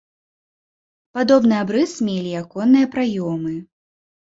Падобны абрыс мелі і аконныя праёмы.